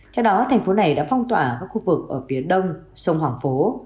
theo đó thành phố này đã phong tỏa các khu vực ở phía đông sông hoàng phố